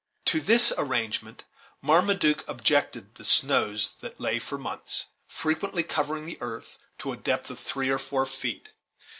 To this arrangement, Marmaduke objected the heavy snows that lay for months, frequently covering the earth to a depth of three or four feet.